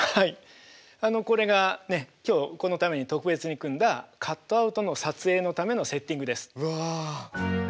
これがね今日このために特別に組んだカットアウトの撮影のためのセッティングです。わ！